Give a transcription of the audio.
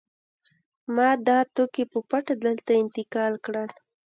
ما دا توکي په پټه دلته انتقال کړل